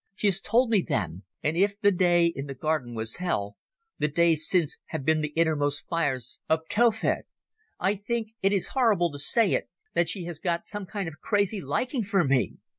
She has told me them, and if the day in the garden was hell, the days since have been the innermost fires of Tophet. I think—it is horrible to say it—that she has got some kind of crazy liking for me.